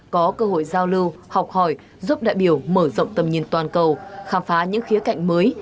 có cơ hội giao lưu học hỏi giúp đại biểu mở rộng tầm nhìn toàn cầu khám phá những khía cạnh mới